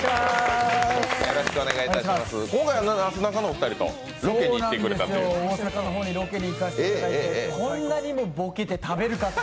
今回は、なすなかのお二人とロケに行っていただいて。